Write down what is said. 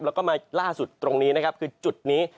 แล้วก็มาล่าสุดตรงนี้นะครับคือจุดนี้